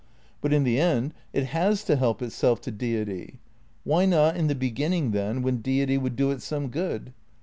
But in the end it has to help itself to Deity. Why not in the beginning, then, when Deity would do it some good?